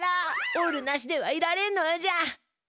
オイルなしではいられんのじゃ。